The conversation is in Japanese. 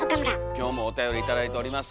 今日もおたより頂いております。